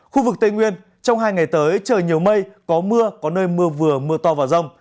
khu vực tây nguyên trong hai ngày tới trời nhiều mây có mưa có nơi mưa vừa mưa to và rông